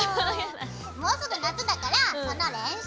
もうすぐ夏だからその練習。